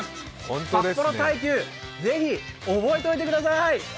札幌大球、ぜひ覚えておいてください。